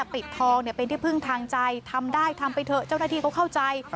ปิดทองเป็นที่พึ่งทางใจทำได้ทำไปเถอะเจ้าหน้าที่เขาเข้าใจ